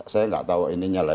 saya nggak tahu ininya lah